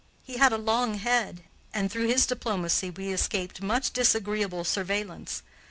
He had a long head and, through his diplomacy, we escaped much disagreeable surveillance.